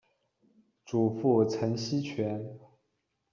祖父陈赐全。